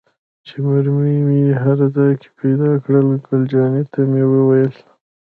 چې مرمۍ یې هر ځای پيدا کېدې، ګل جانې ته مې وویل.